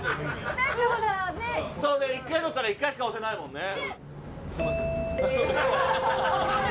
そうね１回乗ったら１回しか押せないもんね。